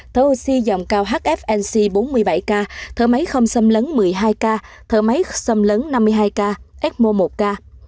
thở oxy dòng cao hfnc bốn mươi bảy ca thở máy không xâm lấn một mươi hai ca thở máy xâm lấn năm mươi hai ca ecmo một ca